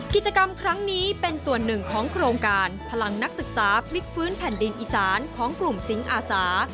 กิจกรรมครั้งนี้เป็นส่วนหนึ่งของโครงการพลังนักศึกษาพลิกฟื้นแผ่นดินอีสานของกลุ่มสิงอาสา